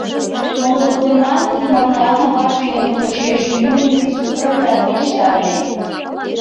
Моло годымат Иллимарлан аваже йодмо почеш лӱмын изи сукырым да монь ышта ыле.